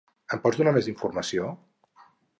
Em pots donar més informació?